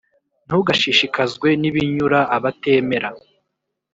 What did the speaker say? Ntugashishikazwe n’ibinyura abatemera,